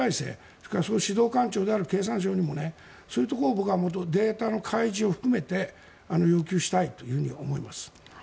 それから指導官庁である経産省にもそういうところをデータの開示も含めて要求したいと思います。